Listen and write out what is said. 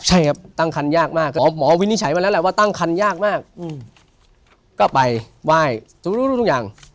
ใช่ครับตั้งคันมากหมอวินิฉัยมาแล้วแหละว่าตั้งคันง่ายมากก็ไปไหว่ทุกอย่าง